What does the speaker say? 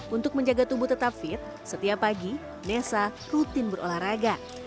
untuk menjaga tubuh tetap fit setiap pagi nessa rutin berolahraga